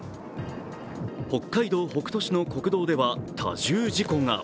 北海道北斗市の国道では多重事故が。